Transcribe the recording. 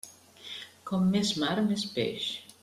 Com més mar, més peix.